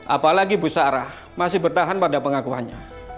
apalagi bu sarah masih bertahan pada pengakuannya